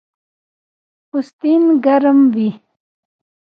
پوستین ګرم وي